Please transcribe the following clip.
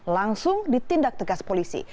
langsung ditindak tegas polisi